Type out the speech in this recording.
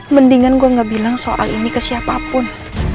mendingan gue gak bilang soal ini ke siapapun